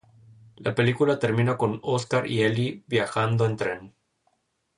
La película termina con Oskar y Eli viajando en tren.